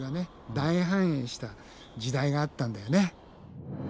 大繁栄した時代があったんだよね。